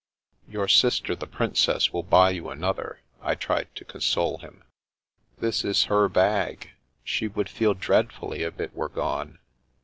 " Your sister the Princess will buy you another," I tried to console him. This is her bag. She would feel dreadfully if it were gone.